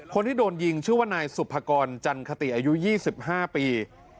คนที่โดนยิงชื่อว่านายสุภกรจันคติอายุ๒๕ปี